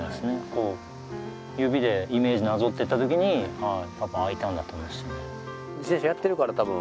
こう指でイメージなぞってった時に多分開いたんだと思いますね。